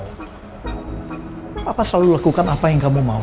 apa selalu lakukan apa yang kamu mau